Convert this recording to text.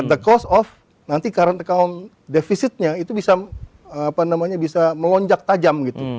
the cost of nanti current account defisitnya itu bisa melonjak tajam gitu